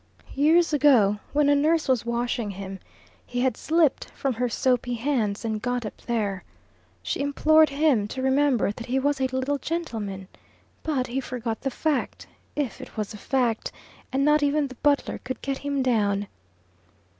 Years ago, when a nurse was washing him, he had slipped from her soapy hands and got up here. She implored him to remember that he was a little gentleman; but he forgot the fact if it was a fact and not even the butler could get him down.